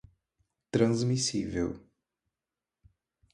transmissível